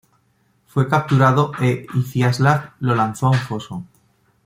Fue capturado e Iziaslav lo lanzó a un foso.